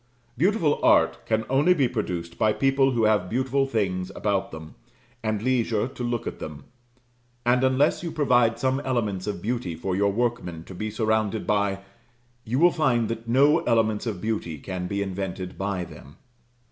Beautiful art can only be produced by people who have beautiful things about them, and leisure to look at them; and unless you provide some elements of beauty for your workmen to be surrounded by, you will find that no elements of beauty can be invented by them.